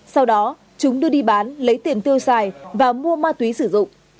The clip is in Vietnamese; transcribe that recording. sau đó chúng đưa đi bán lấy tiền tiêu xài và mua ma túy sử dụng